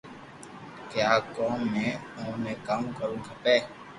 ڪي آ ڪوم مي ائو ني ڪاو ڪروُ کپي